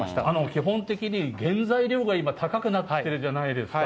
基本的に、原材料が今、高くなってるじゃないですか。